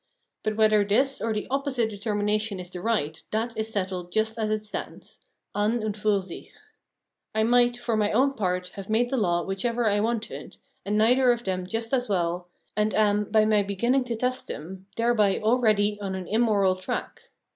But whether this or Reason as Testing Laws 427 the opposite determination is the right, that is settled just as it stands {an und fiir sich). I might, for my own part, have made the law whichever I wanted, and neither of them just as well, and am, by my be ginning to test them, thereby already on an immoral track.